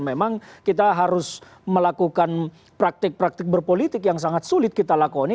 memang kita harus melakukan praktik praktik berpolitik yang sangat sulit kita lakoni